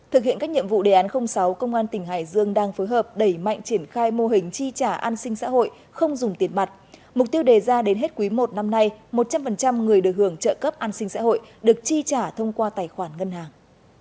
thực hiện các nhiệm vụ đề án sáu công an tỉnh hải dương đang phối hợp đẩy mạnh triển khai mô hình chi trả an sinh xã hội không dùng tiền mặt mục tiêu đề ra đến hết quý i năm nay một trăm linh người được hưởng trợ cấp an sinh xã hội được chi trả thông qua tài khoản ngân hàng